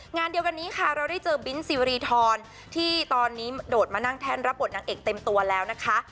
งานเดียวกันนี้ค่ะเราได้เจอบินซีรีทรที่ตอนนี้โดดมานั่งแท่นรับบทนางเอกเต็มตัวแล้วนะคะ